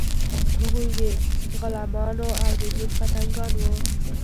هغوی د غلمانو او د دین پتنګان وو.